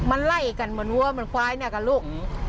โหมันมันไล่กันเหมือนว่ามันคว้ายเนี่ยกับลูกอืม